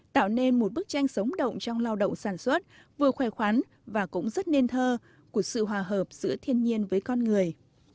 tạo nên một bức tranh sống động trong lao động sản xuất vừa khỏe khoắn và cũng rất nên thơ của sự hòa hợp giữa thiên nhiên với con người